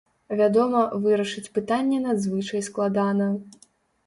Вядома, вырашыць пытанне надзвычай складана.